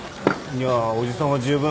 いやおじさんは十分。